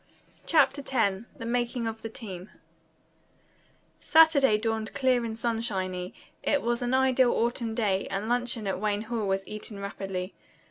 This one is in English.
CHAPTER X THE MAKING OF THE TEAM Saturday dawned clear and sunshiny. It was an ideal autumn day, and luncheon at Wayne Hall was eaten rapidly.